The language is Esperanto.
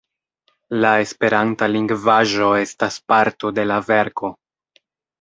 La esperanta lingvaĵo estas parto de la verko.